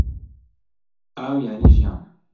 ئاو یانی ژیان